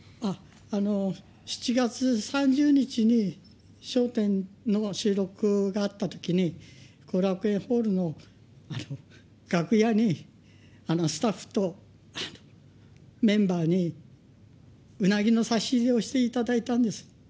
７月３０日に、笑点の収録があったときに、後楽園ホールの楽屋に、スタッフとメンバーにうなぎの差し入れをしていただいたんです。